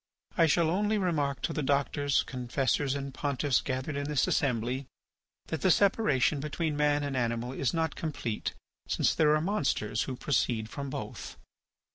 I shall only remark to the doctors, confessors, and pontiffs gathered in this assembly that the separation between man and animal is not complete since there are monsters who proceed from both.